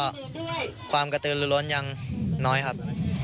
ก็พวกสปีศต้นครับผมและก็ความกระตือละล้นยังน้อยครับ